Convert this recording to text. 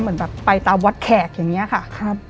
เหมือนแบบไปตามวัดแขกอย่างนี้ค่ะ